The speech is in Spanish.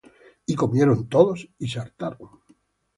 Y comieron todos, y se hartaron.